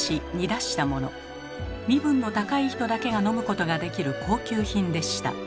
身分の高い人だけが飲むことができる高級品でした。